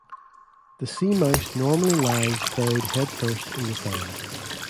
The sea mouse normally lies buried head-first in the sand.